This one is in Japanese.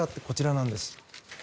こちらなんです。